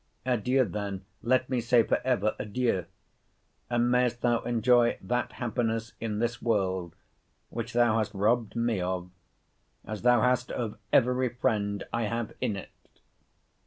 Adieu, then, let me say, for ever adieu! And mayest thou enjoy that happiness in this world, which thou hast robbed me of; as thou hast of every friend I have in it!